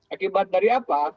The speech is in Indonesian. akibat dari apa